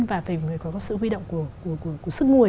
và phải có sự huy động của sức mùi